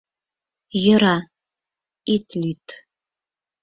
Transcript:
— Йӧра, ит лӱд.